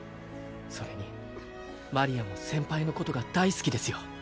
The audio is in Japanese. それにマリアも先輩のことが大好きですよ